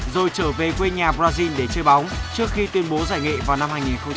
rồi trở về quê nhà brazil để chơi bóng trước khi tuyên bố giải nghệ vào năm hai nghìn hai mươi